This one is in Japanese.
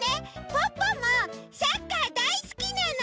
ポッポもサッカーだいすきなの！